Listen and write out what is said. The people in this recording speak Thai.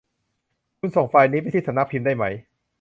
คุณส่งไฟล์นี้ไปที่สำนักพิมพ์ได้มั้ย